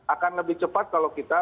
akan lebih cepat kalau kita